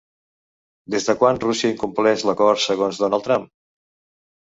Des de quan Rússia incompleix l'acord segons Donald Trump?